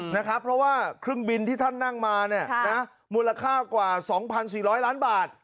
นะครับเพราะว่าเครื่องบินที่ท่านนั่งมาเนี้ยค่ะนะมูลค่ากว่าสองพันสี่ร้อยล้านบาท